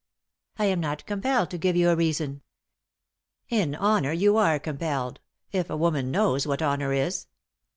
" I am not compelled to give you a reason." "In honour you are compelled — if a woman knows what honour is."